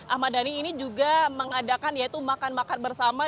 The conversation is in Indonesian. ahmad dhani ini juga mengadakan yaitu makan makan bersama